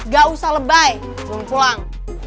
gak usah lebay gue mau pulang